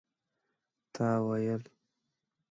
تا ويل